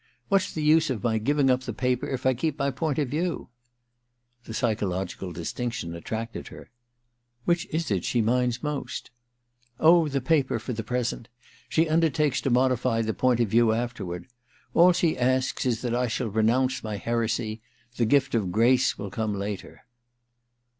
What's the use of my giving up the paper if I keep my point of view }' The pychological (Ustinction attracted her. * Which IS it she minds most ?'* Oh, the paper — for the present. She undertakes to modify the point of view after ward. All she asks is that I shall renounce my heresy : the gift of grace will come later.'